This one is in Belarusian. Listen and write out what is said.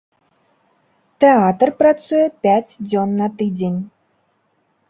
Тэатр працуе пяць дзён на тыдзень.